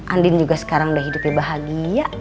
andin juga sekarang udah hidupnya bahagia